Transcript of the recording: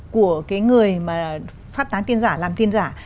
của cái người mà phát tán tin giả làm tin giả